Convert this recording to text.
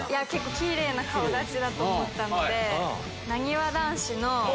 キレイな顔立ちだと思ったので。